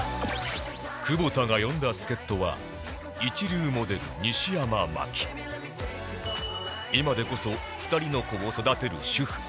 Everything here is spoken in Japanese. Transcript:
久保田が呼んだ助っ人は一流モデル今でこそ２人の子を育てる主婦